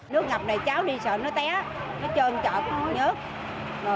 nước ngập này cháu đi sợ nó té nó trơn chợt nhớt